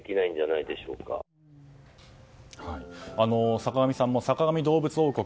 坂上さんも「坂上どうぶつ王国」